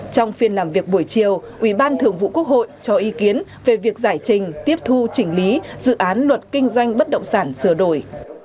trong phiên làm việc buổi chiều ủy ban thường vụ quốc hội cho ý kiến về việc giải trình tiếp thu chỉnh lý dự án luật kinh doanh bất động sản sửa đổi